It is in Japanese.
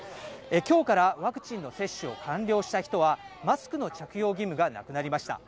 今日からワクチンの接種を完了した人はマスクの着用義務がなくなりました。